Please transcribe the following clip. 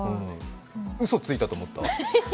うそついたと思った？